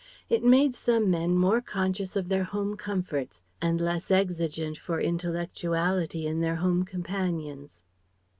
It made some men more conscious of their home comforts and less exigent for intellectuality in their home companions.